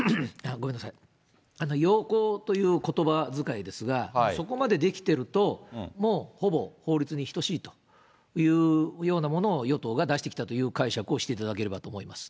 要綱ということばづかいですが、そこまで出来てると、もうほぼ法律に等しいというものを、与党が出してきたという解釈をしていただければと思います。